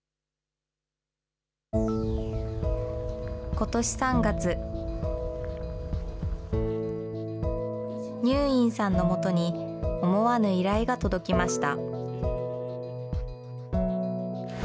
ことし３月、にゅーいんさんのもとに、思わぬ依頼が届きました。